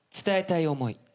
『伝えたい想い』